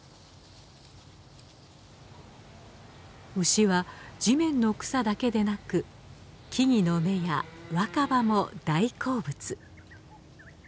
牛は地面の草だけでなく木々の芽や若葉も大好物。